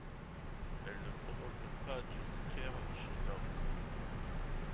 Elle ne provoque pas d'urticaire chez l'homme.